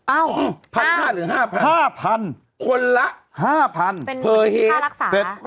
อ้าวพันห้าหรือห้าพันห้าพันคนละห้าพันเป็นรักษา